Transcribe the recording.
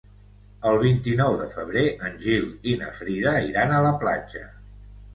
El vint-i-nou de febrer en Gil i na Frida iran a la platja.